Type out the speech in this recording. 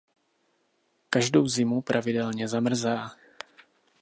Každou zimu pravidelně zamrzá.